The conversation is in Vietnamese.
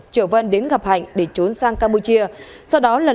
trở văn đến gặp hạnh để trốn sang campuchia